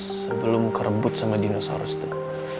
sebelum kerebut sama dinosaurus tuh